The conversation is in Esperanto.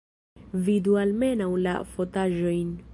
Vidu almenaŭ la fotaĵojn!